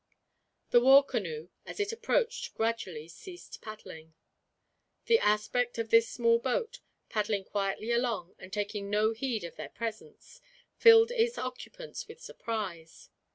The war canoe, as it approached, gradually ceased paddling. The aspect of this small boat, paddling quietly along and taking no heed of their presence, filled its occupants with surprise.